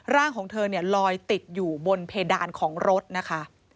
ร่างของเธอเนี่ยลอยติดอยู่บนเพดานของรถนะคะ